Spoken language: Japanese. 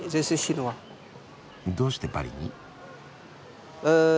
どうしてパリに？